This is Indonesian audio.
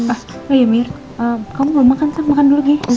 oh iya mir kamu belum makan kan makan dulu deh